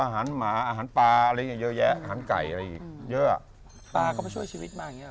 ไหนจะอาหารอีกแล้ว